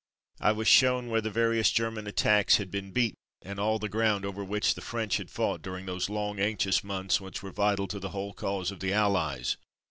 I was shown where the various German attacks had been beaten, and all the ground over which the French had fought during those long anxious months which were vital to the whole cause of the Allies.